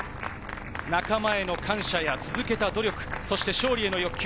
仲間への感謝や続けた努力、そして勝利への欲求。